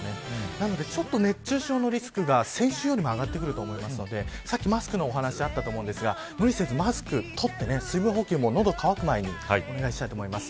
なので、熱中症のリスクが先週よりも上がってくると思うのでさっきマスクのお話しあったと思いますが無理せず、マスクを取って水分補給も喉が乾く前にお願いします。